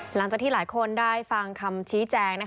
หลังจากที่หลายคนได้ฟังคำชี้แจง